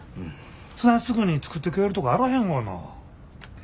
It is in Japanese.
そないすぐに作ってくれるとこあらへんがな。